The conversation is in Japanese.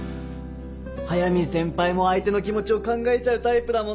速見先輩も相手の気持ちを考えちゃうタイプだもんな。